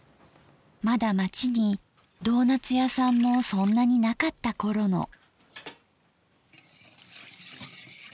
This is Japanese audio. まだ町にドーナッツ屋さんもそんなになかった頃の。